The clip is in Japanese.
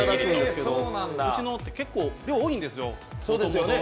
うちのって結構、量多いんですよ。